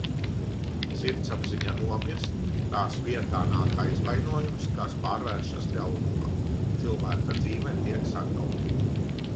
Sirdsapziņa nomirst, tās vietā nāk aizvainojums, kas pārvēršas ļaunumā. Cilvēka dzīve tiek sagrauta.